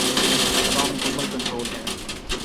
کا مکمل کنٹرول ہے۔